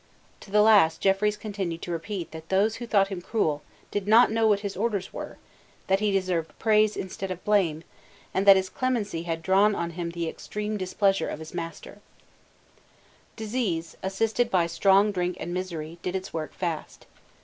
To the last Jeffreys continued to repeat that those who thought him cruel did not know what his orders were, that he deserved praise instead of blame, and that his clemency had drawn on him the extreme displeasure of his master, Disease, assisted by strong drink and by misery, did its work fast.